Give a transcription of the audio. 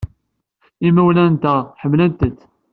Imawlan-nteɣ ḥemmlen-tent.